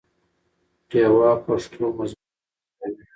ډیوه پښتو مضمون تدریس کوي